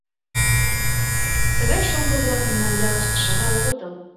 Тыгай шоҥго-влак мемнан ялыште шагал огытыл.